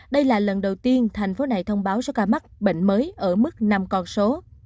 đây là lần đầu tiên thành phố này thông báo số ca mắc bệnh mới ở mức năm con số